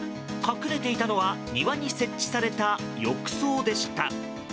隠れていたのは庭に設置された浴槽でした。